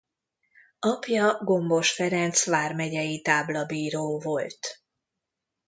Apja Gombos Ferenc vármegyei táblabíró volt.